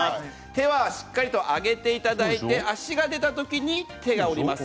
手はしっかり上げていただいて足が出たときに右手が下ります。